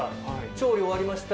調理終わりました。